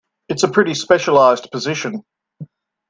It's a pretty specialized position.